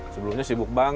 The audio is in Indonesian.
sebelumnya sibuk banget